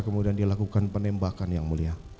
kemudian dilakukan penembakan yang mulia